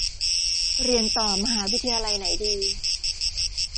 เรียนต่อมหาวิทยาลัยไหนดี